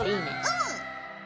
うん。